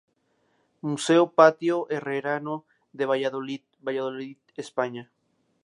Museo Patio Herreriano de Valladolid, Valladolid, España.